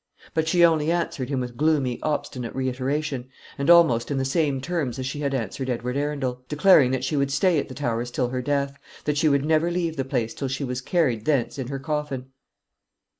But she only answered him with gloomy, obstinate reiteration, and almost in the same terms as she had answered Edward Arundel; declaring that she would stay at the Towers till her death; that she would never leave the place till she was carried thence in her coffin.